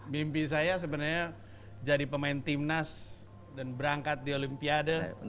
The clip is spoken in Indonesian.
mimpi saya sebenarnya jadi pemain timnas dan berangkat di olimpiade